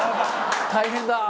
大変だ。